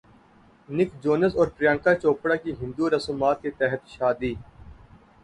نک جونس اور پریانکا چوپڑا کی ہندو رسومات کے تحت شادی